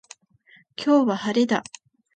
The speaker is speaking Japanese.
今日は晴れだ。